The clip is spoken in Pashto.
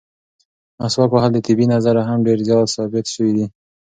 مسواک وهل د طبي نظره هم ډېر زیات ثابت شوي دي.